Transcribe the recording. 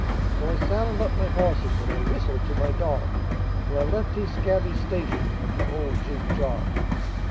So I saddled up my horses, and I whistled to my dog, And I left his scabby station at the old jig jog.